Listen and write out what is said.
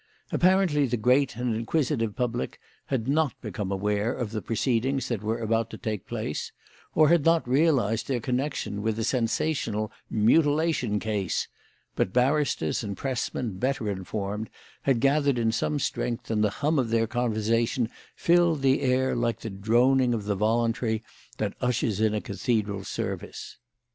Apparently the great and inquisitive public had not become aware of the proceedings that were about to take place, or had not realised their connection with the sensational "Mutilation Case"; but barristers and Press men, better informed, had gathered in some strength, and the hum of their conversation filled the air like the droning of the voluntary that ushers in a cathedral service.